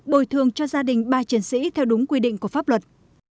bồi thường cho gia đình ba chiến sĩ theo đúng quy định của pháp luật